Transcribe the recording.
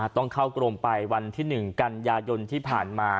ต้องเข้ากรมไปวันที่๑กันยายนที่ผ่านมา